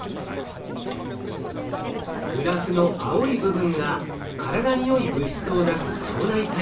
グラフの青い部分が体によい物質を出す腸内細菌。